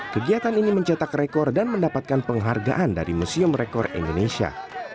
kegiatan ini mencetak rekor dan mendapatkan penghargaan dari museum rekor indonesia